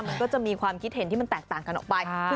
มันก็จะมีความคิดเห็นที่มันแตกต่างกันออกไป